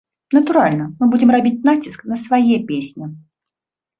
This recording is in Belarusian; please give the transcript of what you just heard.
Натуральна, мы будзем рабіць націск на свае песні.